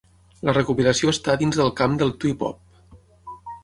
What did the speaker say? La recopilació està dins del camp del twee pop.